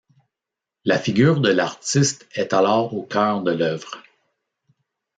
La figure de l'artiste est alors au cœur de l'œuvre.